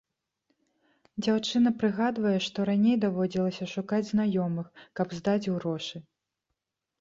Дзяўчына прыгадвае, што раней даводзілася шукаць знаёмых, каб здаць грошы.